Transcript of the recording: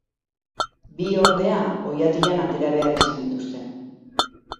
Bi, ordea, oihatilan atera behar izan dituzte.